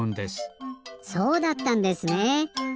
そうだったんですねえ。